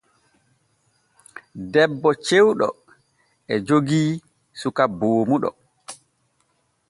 Debbo cewɗo e jogii suka boomuɗo.